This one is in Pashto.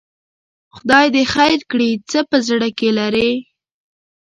خدای دې خیر کړي، څه په زړه کې لري؟